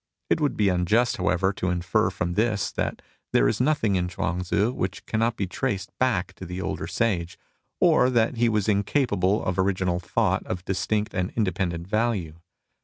It would be unjust, however, to infer from this that there is nothing in Chuang Tzu which cannot be traced back to the older sage, or that he was incapable of original thought of distinct and independent value.